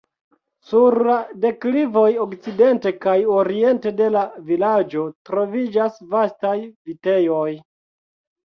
Sur la deklivoj okcidente kaj oriente de la vilaĝo troviĝas vastaj vitejoj.